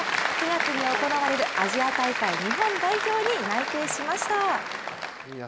９月に行われるアジア大会日本代表に内定しました。